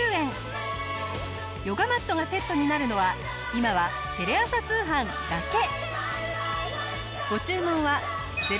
ヨガマットがセットになるのは今はテレ朝通販だけ！